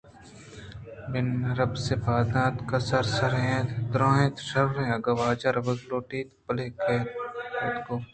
بناربس پاد اتک سرےسُرینت ءُدرّائینت شرّیں اگاں واجہ روگ لوٹیت بلّے کیت گوں